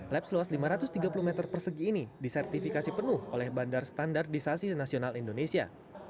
lab seluas lima ratus tiga puluh meter persegi ini disertifikasi penuh oleh bandar standarisasi nasional indonesia